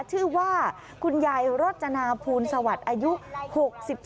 ชื่อว่าคุณยายรถจนาพูลสวรรค์อายุ๖๔ปีค่ะ